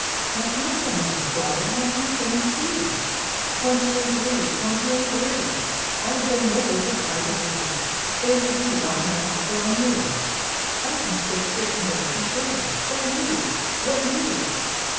" Now count them, my Squire, now count them and D,gt,, erihyGOOgle The Haunted Hour " Twenty and three I Twenty and three I —■ All of them nobles of high degree: There they be lying on Ascalon lea! " Out and spake Sir Ingoldsby Bray, " What news? What news?